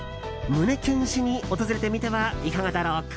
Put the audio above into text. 胸キュンしに訪れてみてはいかがだろうか。